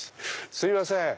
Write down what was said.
すいません！